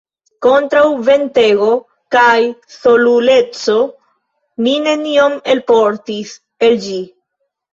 Kontraŭ ventego kaj soluleco mi nenion elportis el ĝi.